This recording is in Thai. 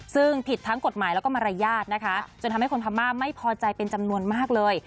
ซึ่งผิดทั้งกฎหมายแล้วก็มารยาทนะคะจนทำให้คนพม่าไม่พอใจเป็นจำนวนมากเลย